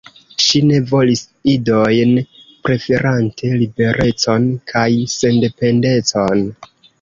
Ŝi ne volis idojn, preferante liberecon kaj sendependecon.